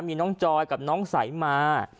มีน้องจอยกับน้องสายมา